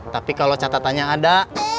tapi kalau catatannya ada